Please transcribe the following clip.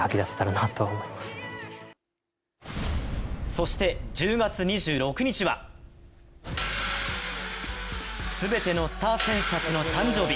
そして１０月２６日は全てのスター選手たちの誕生日